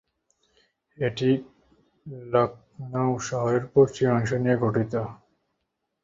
এটি লখনউ শহরের পশ্চিম অংশ নিয়ে গঠিত।